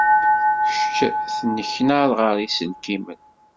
Kečč tenneknad ɣer yiselkimen.